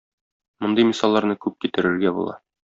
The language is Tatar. Мондый мисалларны күп китерергә була.